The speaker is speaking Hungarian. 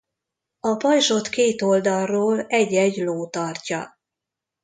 A pajzsot két oldalról egy-egy ló tartja.